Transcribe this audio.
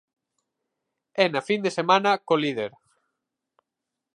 E na fin de semana co líder.